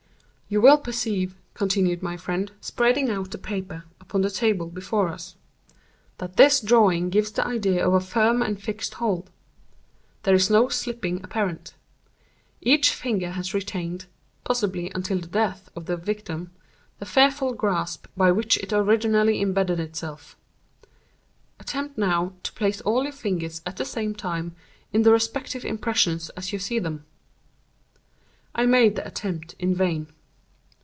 "You will perceive," continued my friend, spreading out the paper upon the table before us, "that this drawing gives the idea of a firm and fixed hold. There is no slipping apparent. Each finger has retained—possibly until the death of the victim—the fearful grasp by which it originally imbedded itself. Attempt, now, to place all your fingers, at the same time, in the respective impressions as you see them." I made the attempt in vain.